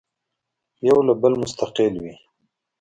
یو له بله مستقل وي.